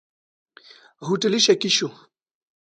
هوټلي شکي شو.